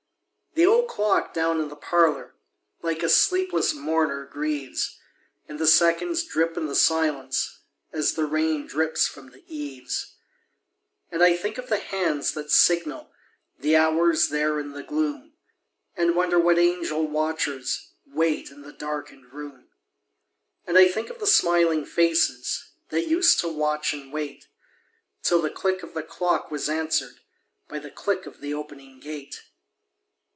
The old clock down in the parlor Like a sleepless mourner grieves, And the seconds drip in the silence As the rain drips from the eaves. And I think of the hands that signal The hours there in the gloom, And wonder what angel watchers Wait in the darkened room. And I think of the smiling faces That used to watch and wait, Till the click of the clock was answered By the click of the opening gate.